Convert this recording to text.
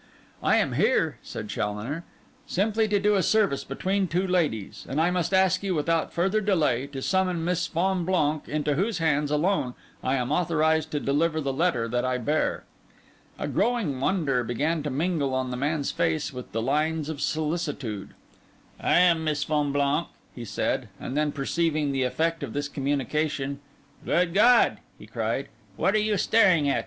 'I am here,' said Challoner, 'simply to do a service between two ladies; and I must ask you, without further delay, to summon Miss Fonblanque, into whose hands alone I am authorised to deliver the letter that I bear.' A growing wonder began to mingle on the man's face with the lines of solicitude. 'I am Miss Fonblanque,' he said; and then, perceiving the effect of this communication, 'Good God!' he cried, 'what are you staring at?